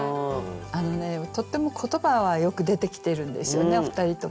あのねとっても言葉はよく出てきてるんですよねお二人とも。